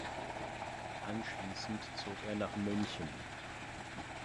Anschließend zog er nach München.